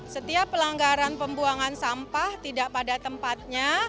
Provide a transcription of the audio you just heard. setiap pelanggaran pembuangan sampah tidak pada tempatnya